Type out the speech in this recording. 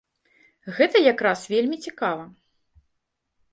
Гэта як раз вельмі цікава.